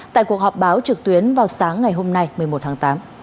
tại cuộc họp báo trực tuyến vào sáng ngày hôm nay một mươi một tháng tám